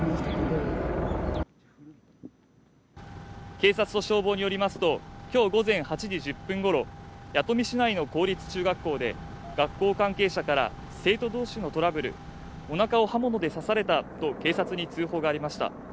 警察と消防によりますときょう午前８時１０分ごろ弥富市内の公立中学校で学校関係者から生徒同士のトラブルお腹を刃物で刺されたと警察に通報がありました